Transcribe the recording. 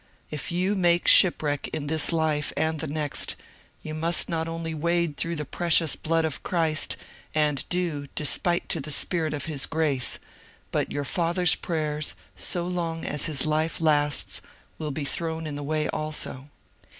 If you make shipwreck in this life and the next, you must not only wade through the precious blood of Christ and do despite to the Spirit of His grace — but vour father's prayers, so long as his life lasts, will be thrown in the way also.